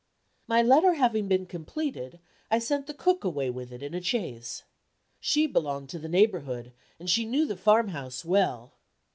My letter having been completed, I sent the cook away with it, in a chaise. She belonged to the neighborhood, and she knew the farmhouse well.